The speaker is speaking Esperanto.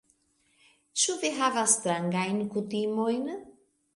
Ĉu vi havas strangajn kutimojn?